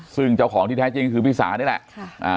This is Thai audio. ซึ่งเจ้าของที่แท้จริงก็คือพี่สานี่แหละ